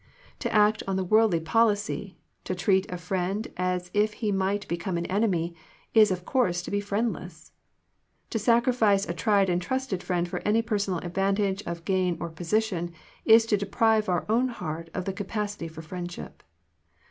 To act on the worldly policy, to treat a friend as if he might become an enemy, is of course to be friendless. To sacri fice a tried and trusted friend for any personal advantage of gain or position, is to deprive our own heart of the capacity for friendship.